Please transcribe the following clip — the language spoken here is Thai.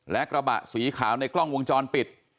และกระบะสีขาวในกล้องวงจรปิด